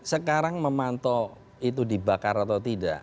sekarang memantau itu dibakar atau tidak